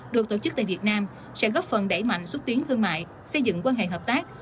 được tổ chức tại việt nam sẽ góp phần đẩy mạnh xúc tiến thương mại xây dựng quan hệ hợp tác